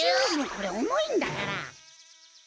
これおもいんだから。